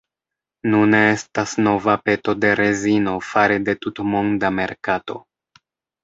Nune estas nova peto de rezino fare de tutmonda merkato.